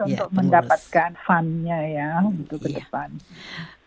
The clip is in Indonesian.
untuk mendapatkan fund nya ya untuk ke depan